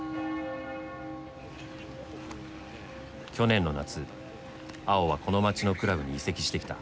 去年の夏碧はこの街のクラブに移籍してきた。